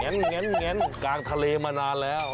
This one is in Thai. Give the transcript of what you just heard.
แงนกลางทะเลมานานแล้ว